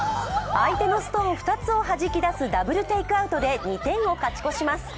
相手のストーン２つをはじき出すダブルテイクアウトで２点を勝ち越します。